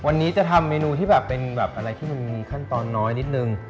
วันนี้จะทำเมนูที่แบบเป็นแบบอะไรที่มันมีขั้นตอนน้อยนิดนึง